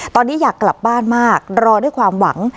ตอนนี้อยากกลับบ้านมากรอด้วยความหวัง